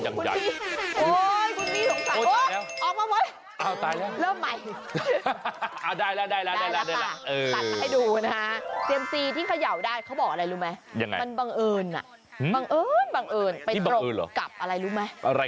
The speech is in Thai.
องค์น้ำมลาเรื่องที่เขาคุยกันเมื่อกี้